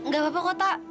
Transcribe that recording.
gak apa apa kok tak